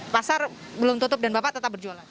pasar belum tutup dan bapak tetap berjualan